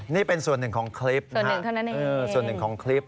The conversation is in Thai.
นี่เป็นส่วนหนึ่งของคลิปนะครับส่วนหนึ่งของคลิป